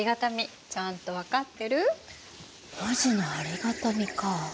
文字のありがたみか。